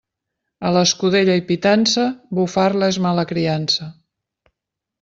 A l'escudella i pitança, bufar-la és mala criança.